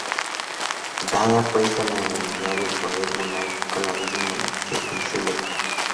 Dada pues la nulidad del poder monárquico, la misma monarquía se hizo electiva.